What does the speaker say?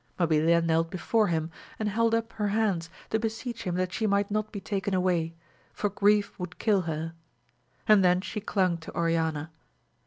Mabilia knelt before him and held up her hands to beseech him that she might not be taken away, for grief would kill her ; and then she clung to Oriana.